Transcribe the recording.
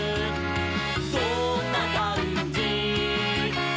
どんなかんじ？」